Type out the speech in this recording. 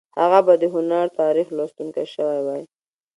هغه به د هنر تاریخ لوستونکی شوی وای